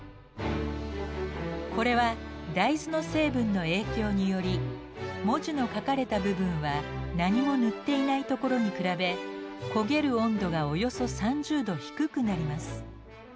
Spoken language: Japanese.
これは大豆の成分の影響により文字の書かれた部分は何も塗っていないところに比べ焦げる温度がおよそ３０度低くなります。